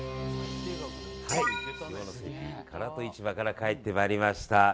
唐戸市場から帰ってまいりました。